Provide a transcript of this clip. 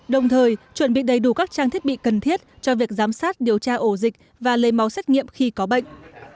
đồng thời chuẩn bị đầy đủ các trang thiết bị cần thiết cho việc giám sát điều tra ổ dịch và lấy máu xét nghiệm khi có bệnh